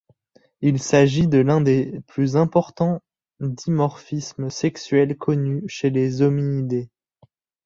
Il s'agit de l'un des plus importants dimorphismes sexuels connus chez les hominidés.